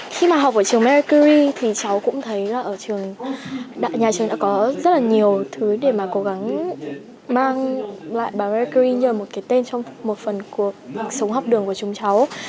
khi mà học ở trường mercury thì cháu cũng thấy là nhà trường đã có rất là nhiều thứ để mà cố gắng mang lại bà mercury như là một cái tên trong một phần cuộc sống học đường của chúng cháu